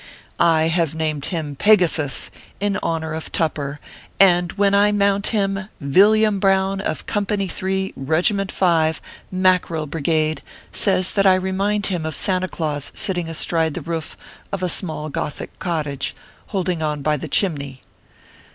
I have named him Pegasus, in honor of Tupper, and when I mount him, Villiam Brown, of Com pany 3, Regiment 5, Mackerel Brigade, says that I remind him of Santa Glaus sitting astride the roof of a small gothic cottage, holding on by the chimney.